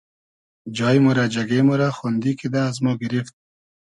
جای مۉ رۂ جئگې مۉ رۂ خۉندی کیدۂ از مۉ گیریفت